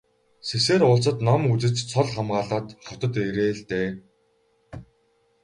Сэсээр улсад ном үзэж цол хамгаалаад хотод ирээ л дээ.